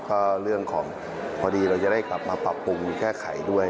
ก็เรื่องของพอดีเราจะได้กลับมาปรับปรุงหรือแก้ไขด้วย